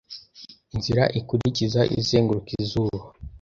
inzira ikurikiza izenguruka izuba